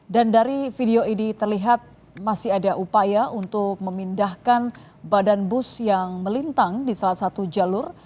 dan dari video ini terlihat masih ada upaya untuk memindahkan badan bus yang melintang di salah satu jalur